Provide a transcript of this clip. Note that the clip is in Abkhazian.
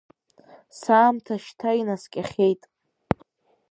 Саамҭа шьҭа инаскьахьеит…